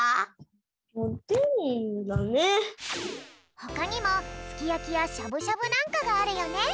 ほかにもすきやきやしゃぶしゃぶなんかがあるよね。